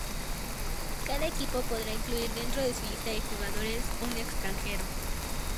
Cada equipo podrá incluir dentro de su lista de jugadores, un extranjero.